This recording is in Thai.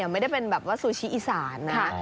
ไม่ได้เป็นแบบว่าซูชิอีสานนะ